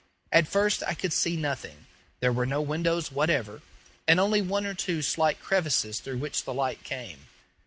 At first I could see nothing. There were no windows whatever, and only one or two slight crevices through which the light came.